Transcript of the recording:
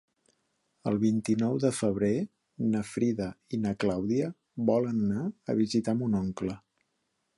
El vint-i-nou de febrer na Frida i na Clàudia volen anar a visitar mon oncle.